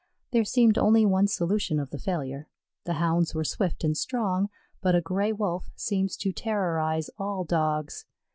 There seemed only one solution of the failure. The Hounds were swift and strong, but a Gray wolf seems to terrorize all Dogs.